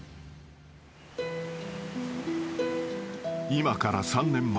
［今から３年前］